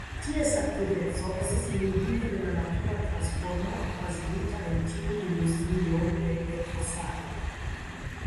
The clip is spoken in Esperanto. Ties aktiveco estas limigita de la natura transformo okazigita de tiu industrio de elfosado.